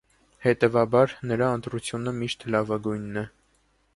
Հետևաբար, նրա ընտրությունը միշտ լավագույնն է։